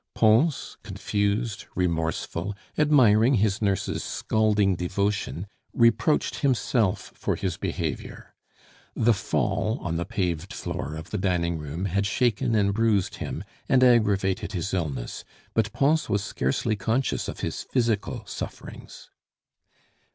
Pons, confused, remorseful, admiring his nurse's scalding devotion, reproached himself for his behavior. The fall on the paved floor of the dining room had shaken and bruised him, and aggravated his illness, but Pons was scarcely conscious of his physical sufferings.